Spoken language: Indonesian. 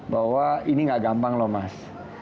bahwa ini gak gampang loh mas